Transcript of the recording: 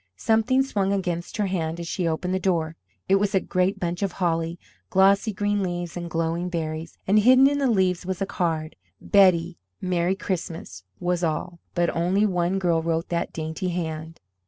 Something swung against her hand as she opened the door. It was a great bunch of holly, glossy green leaves and glowing berries, and hidden in the leaves a card: "Betty, Merry Christmas," was all, but only one girl wrote that dainty hand.